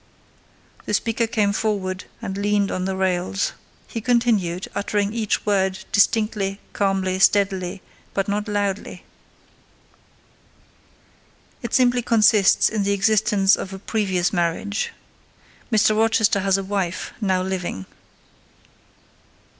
The speaker came forward and leaned on the rails. He continued, uttering each word distinctly, calmly, steadily, but not loudly— "It simply consists in the existence of a previous marriage. Mr. Rochester has a wife now living."